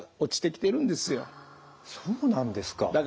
そうなんですか。